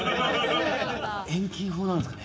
遠近法なんですかね。